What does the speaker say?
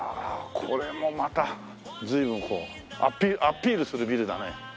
これもまた随分こうアピールするビルだね。